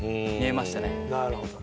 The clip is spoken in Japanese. なるほどね。